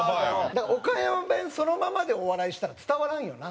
だから岡山弁そのままでお笑いしたら伝わらんよな。